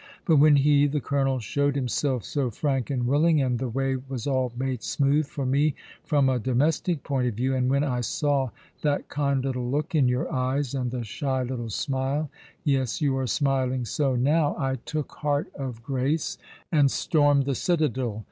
But when he — the colonel — showed himself so frank and willing — and the way was all made smooth for me from a domestic point of view — and when I saw that kind little look in your eyes, and the shy little smile — yes, you are smiling so now — I took heart of grace, and stormed the citadel.